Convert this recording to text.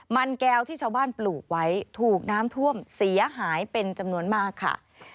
มันแก้วที่ชาวบ้านปลูกไว้ถูกน้ำท่วมเสียหายเป็นจำนวนมากค่ะ